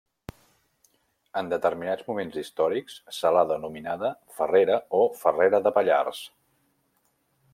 En determinats moments històrics se l'ha denominada Ferrera o Farrera de Pallars.